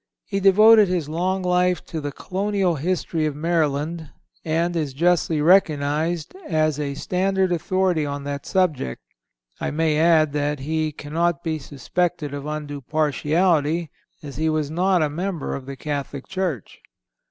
He devoted his long life to the Colonial history of Maryland, and is justly recognized as a standard authority on that subject. I may add that he cannot be suspected of undue partiality, as he was not a member of the Catholic Church.